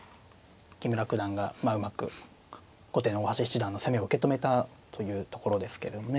木村九段がまあうまく後手の大橋七段の攻めを受け止めたというところですけどもね。